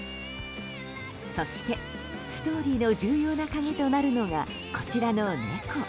そしてストーリーの重要な鍵となるのがこちらの猫。